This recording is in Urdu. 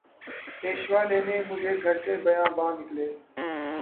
پیشوا لینے مجھے گھر سے بیاباں نکلا